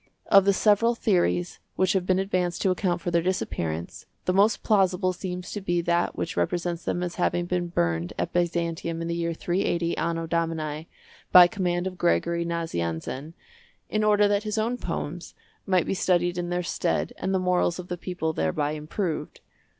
Of the several theories which have been advanced to account for their disappearance, the most plausible seems to be that which represents them as having been burned at Byzantium in the year 380 Anno Domini, by command of Gregory Nazianzen, in order that his own poems might be studied in their stead and the morals of the people thereby improved.